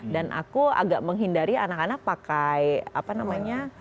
dan aku agak menghindari anak anak pakai apa namanya